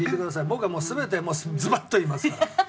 僕はもう全てズバッと言いますから。